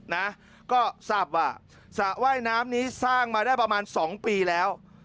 นะก็ทราบว่าสระว่ายน้ำนี้สร้างมาได้ประมาณสองปีแล้ว